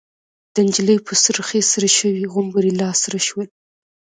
د نجلۍ په سرخۍ سره شوي غومبري لاسره شول.